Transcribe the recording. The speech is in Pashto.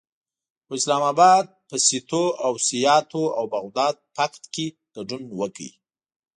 خو اسلام اباد په سیتو او سیاتو او بغداد پکت کې ګډون وکړ.